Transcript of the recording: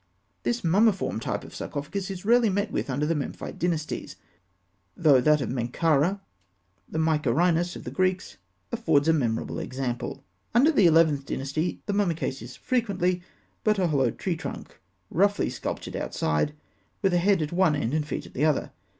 This mummiform type of sarcophagus is rarely met with under the Memphite dynasties, though that of Menkara, the Mycerinus of the Greeks, affords a memorable example. Under the Eleventh Dynasty, the mummy case is frequently but a hollowed tree trunk, roughly sculptured outside, with a head at one end and feet at the other.